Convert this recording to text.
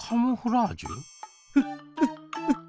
・フッフッフッ。